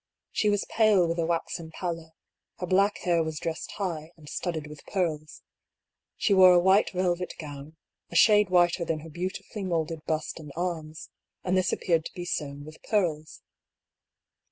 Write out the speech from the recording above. She was pale with a waxen pallor ; her black hair was dressed high, and studded with pearls. She wore a white velvet gown, a shade whiter than her beautifully moulded bust and arms, and this appeared to be sewn with pearls.